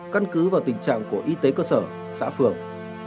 căn cứ vào tình trạng của y tế cơ sở xã phường